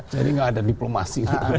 jadi nggak ada diplomasi